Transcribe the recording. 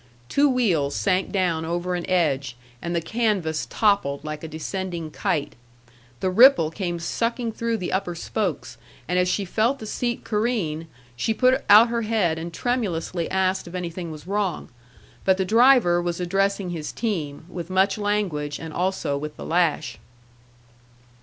Two wheels sank down over an edge, and the canvas toppled like a descending kite. The ripple came sucking through the upper spokes, and as she felt the seat careen, she put out her head and tremulously asked if anything was wrong. But the driver was addressing his team with much language, and also with the lash.